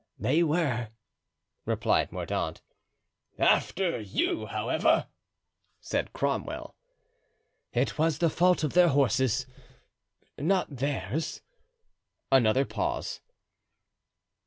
"They were," replied Mordaunt. "After you, however," said Cromwell. "It was the fault of their horses, not theirs." Another pause.